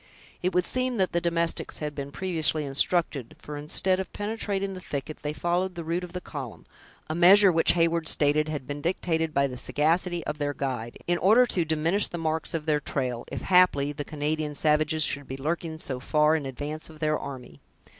It would seem that the domestics had been previously instructed; for, instead of penetrating the thicket, they followed the route of the column; a measure which Heyward stated had been dictated by the sagacity of their guide, in order to diminish the marks of their trail, if, haply, the Canadian savages should be lurking so far in advance of their army.